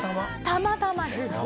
たまたまです。